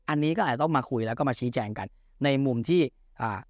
อันนี้ก็อาจจะต้องมาคุยแล้วก็มาชี้แจงกันในมุมที่อ่า